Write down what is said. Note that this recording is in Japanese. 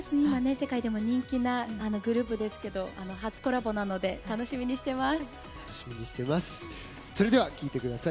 世界でも人気なグループですけど初コラボなのでそれでは聴いてください。